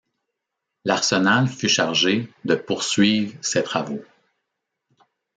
L’Arsenal fut chargé de poursuivre ces travaux.